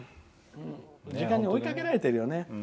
時間に追いかけられてるよね。